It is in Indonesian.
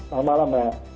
selamat malam mbak